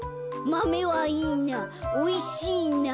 マメはいいなおいしいな」。